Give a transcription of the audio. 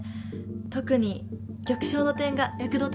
特に玉将の点が躍動的です。